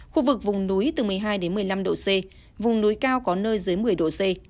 khu vực vùng núi từ một mươi hai một mươi năm độ c vùng núi cao có nơi dưới một mươi độ c